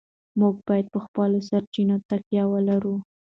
موږ باید په خپلو سرچینو تکیه وکړو.